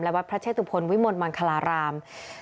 และวัดพระเชศุพรวิมลมันฮราราม